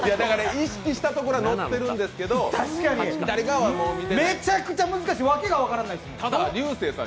意識したところは乗ってるんですけどめちゃくちゃ難しい、訳が分からないですもん。